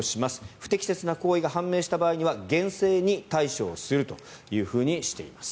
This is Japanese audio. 不適切な行為が判明した場合には厳正に対処をするというふうにしています。